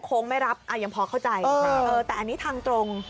ไม่รับยังพอเข้าใจแต่อันนี้ทางตรง